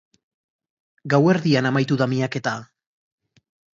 Gauerdian amaitu da miaketa.